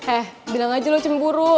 eh bilang aja lo cemburu